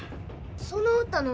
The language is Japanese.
その歌何？